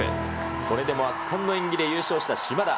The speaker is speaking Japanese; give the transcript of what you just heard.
それでも圧巻の演技で優勝した島田。